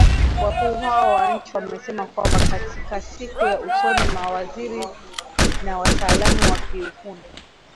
Wakuu hao wa nchi wamesema kwamba katika siku za usoni mawaziri na wataalamu wa kiufundi